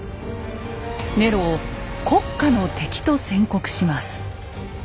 ネロを「国家の敵」と宣告します。